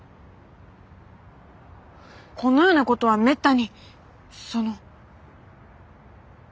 このようなことはめったにその。